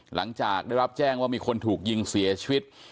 หลังจากได้รับแจ้งว่ามีคนถูกยิงเสียชีวิต